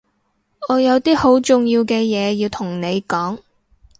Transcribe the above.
我有啲好重要嘅嘢要同你講